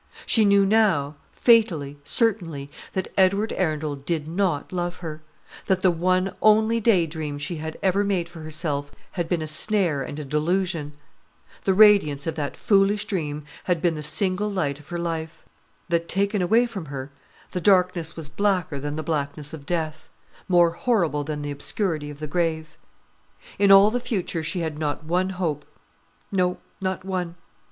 She knew now, fatally, certainly, that Edward Arundel did not love her; that the one only day dream she had ever made for herself had been a snare and a delusion. The radiance of that foolish dream had been the single light of her life. That taken away from her, the darkness was blacker than the blackness of death; more horrible than the obscurity of the grave. In all the future she had not one hope: no, not one.